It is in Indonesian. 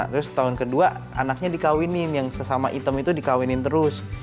terus tahun kedua anaknya dikawinin yang sesama hitam itu dikawinin terus